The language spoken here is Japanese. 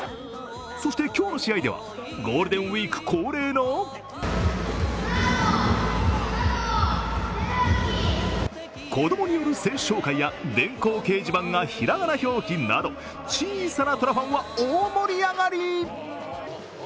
そして今日の試合ではゴールデンウイーク恒例の子供による選手紹介や電光掲示板が平仮名表記など小さな虎ファンは大盛り上がり！